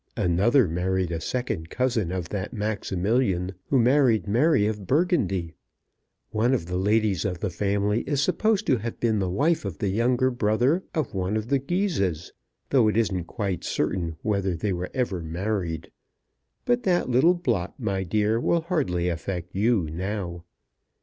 Another married a second cousin of that Maximilian who married Mary of Burgundy. One of the ladies of the family is supposed to have been the wife of the younger brother of one of the Guises, though it isn't quite certain whether they were ever married. But that little blot, my dear, will hardly affect you now.